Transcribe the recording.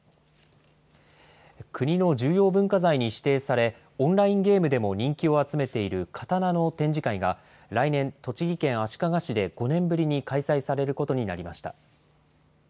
国の重要文化財に指定され、オンラインゲームでも人気を集めている刀の展示会が来年、栃木県足利市で５年ぶりに開催されることになりました。